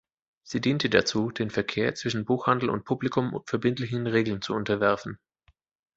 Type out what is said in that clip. Sie diente dazu, den Verkehr zwischen Buchhandel und Publikum verbindlichen Regeln zu unterwerfen.